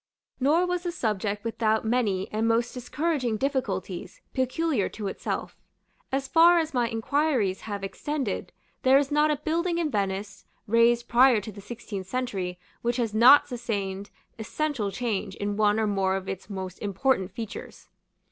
Nor was the subject without many and most discouraging difficulties, peculiar to itself. As far as my inquiries have extended, there is not a building in Venice, raised prior to the sixteenth century, which has not sustained essential change in one or more of its most important features.